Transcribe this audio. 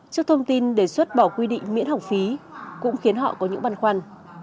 trước thông tin đề xuất bỏ quy định miễn học phí cũng khiến họ có những băn khoăn